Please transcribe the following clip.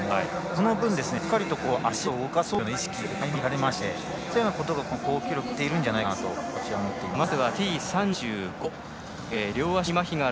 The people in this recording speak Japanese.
その分、しっかりと足を動かそうという意識がかいま見られましてそういったようなことが好記録につながっているんじゃないかなと私は思っています。